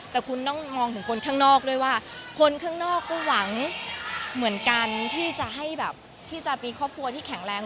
แต่คุณต้องมองถึงคนข้างนอกด้วยว่าคนข้างนอกก็หวังเหมือนกันที่จะให้แบบที่จะมีครอบครัวที่แข็งแรง